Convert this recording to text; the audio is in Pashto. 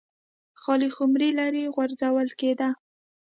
خالي خُمرې لرې غورځول کېدې.